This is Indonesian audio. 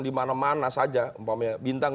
di mana mana saja umpamanya bintang